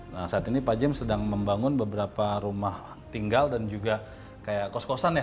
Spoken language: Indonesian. nah saat ini pak jem sedang membangun beberapa rumah tinggal dan juga kayak kos kosan ya